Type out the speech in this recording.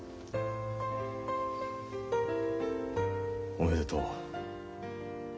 おめでとう。